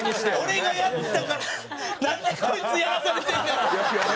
俺がやってたからなんでこいつやらされてんねん。